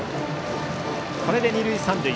これで二塁三塁。